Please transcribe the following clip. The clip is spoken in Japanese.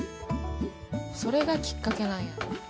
それがきっかけなんや。